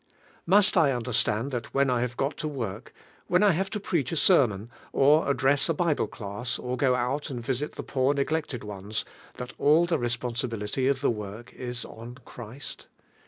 Musi I understand that when I have got in work, when 1 have to preach a ser mon, or address a Bible class, or to go ml1 ;„„i vfeH the poor neglected ones, thai all the responsibility of the work is ou Christ?